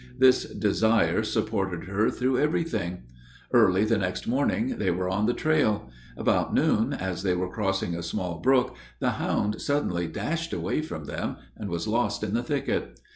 This desire supported her through everything. Early the next morning they were on the trail. About noon, as they were crossing a small brook, the hound suddenly dashed away from them, and was lost in the thicket.